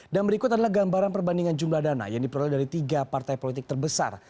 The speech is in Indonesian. dan berikut adalah gambaran perbandingan jumlah dana yang diperoleh dari tiga partai politik terbesar